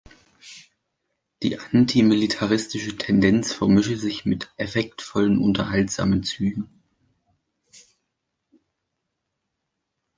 Die antimilitaristische Tendenz vermische sich mit effektvollen unterhaltsamen Zügen.